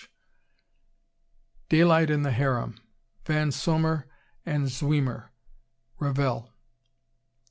Ch. Daylight in the Harem, Van Sommer and Zwemer, (Revell.)